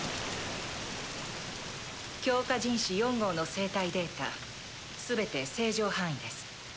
強化人士４号の生体データ全て正常範囲です。